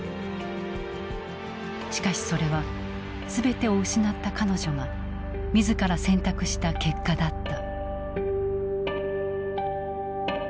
しかしそれは全てを失った彼女が自ら選択した結果だった。